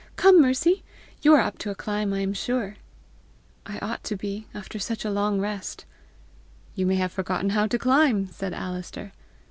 Come, Mercy! You are up to a climb, I am sure!" "I ought to be, after such a long rest." "You may have forgotten how to climb!" said Alister.